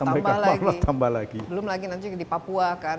belum lagi nanti di papua kan